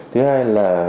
thứ hai là